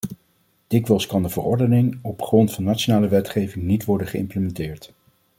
Dikwijls kan de verordening op grond van nationale wetgeving niet worden geïmplementeerd.